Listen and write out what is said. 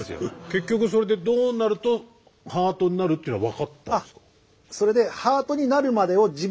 結局それでどうなるとハートになるっていうのは分かったんですか？